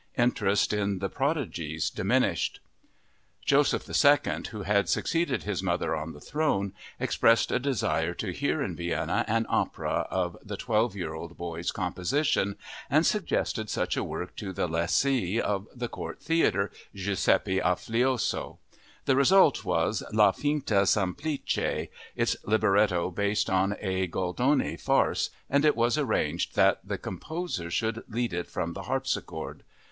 Interest in the prodigies diminished. Joseph II, who had succeeded his mother on the throne, expressed a desire to hear in Vienna an opera of the twelve year old boy's composition and suggested such a work to the lessee of the court theater, Giuseppe Afflisio. The result was La Finta semplice, its libretto based on a Goldoni farce, and it was arranged that the composer should lead it from the harpsichord.